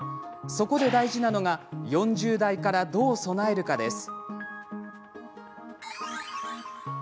そこで大事なのが４０代からどう備えるかです。